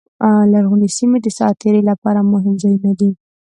لرغونې سیمې د ساعت تېرۍ لپاره مهم ځایونه دي.